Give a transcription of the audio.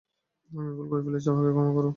আমি ভুল করে ফেলেছি, আমায় ক্ষমা করো।